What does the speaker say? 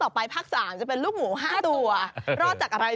ติดตามทางราวของความน่ารักกันหน่อย